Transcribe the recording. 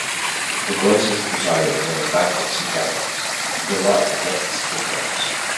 The Graces presided over banquets and gatherings, to delight the guests of the gods.